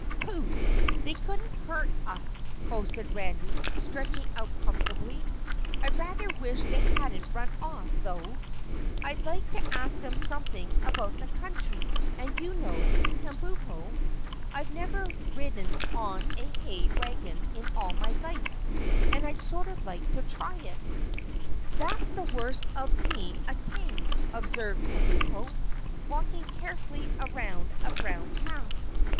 "Pooh! they couldn't hurt us," boasted Randy, stretching out comfortably. "I rather wish they hadn't run off, though, I'd like to ask them something about the country, and you know, Kabumpo I've never ridden on a hay wagon in all my life and I'd sorta like to try it." "That's the worst of being a King," observed Kabumpo, walking carefully around a brown calf.